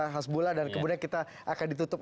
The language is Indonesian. hasbullah dan kemudian kita akan ditutup